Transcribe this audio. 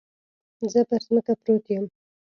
زه پر ځمکه پروت يم.